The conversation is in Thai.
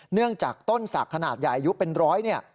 เนื่องจากต้นสักขนาดใหญ่อายุเป็นร้อย